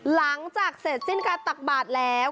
หลังจากเสร็จสิ้นการตักบาทแล้ว